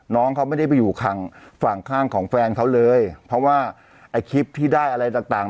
น้องเขาไม่ได้ไปอยู่ข้างฝั่งข้างของแฟนเขาเลยเพราะว่าไอ้คลิปที่ได้อะไรต่างต่าง